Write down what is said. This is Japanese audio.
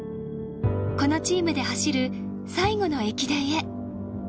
このチームで走る最後の駅伝へ。